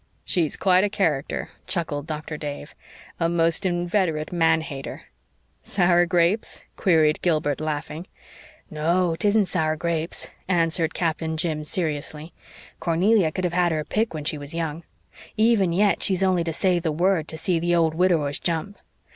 "She's quite a character," chuckled Doctor Dave. "A most inveterate man hater!" "Sour grapes?" queried Gilbert, laughing. "No, 'tisn't sour grapes," answered Captain Jim seriously. "Cornelia could have had her pick when she was young. Even yet she's only to say the word to see the old widowers jump.